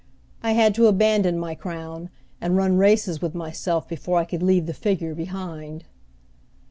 I had to abandon my crown, and run races with myself before I could leave the figure behind.